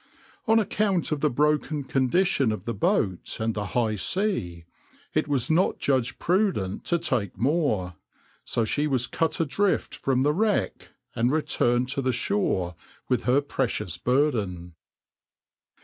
On account of the broken condition of the boat and the high sea, it was not judged prudent to take more, so she was cut adrift from the wreck and returned to the shore with her precious burden.